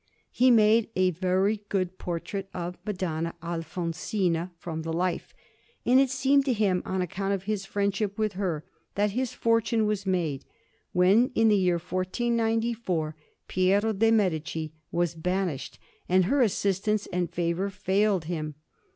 He made a very good portrait of Madonna Alfonsina from the life; and it seemed to him, on account of his friendship with her, that his fortune was made, when, in the year 1494, Piero de' Medici was banished, and her assistance and favour failed him.